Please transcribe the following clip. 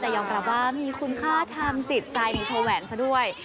แต่ยอมรับว่ามีคุณค่าทางจิตใจในโชว์แหวนซะด้วย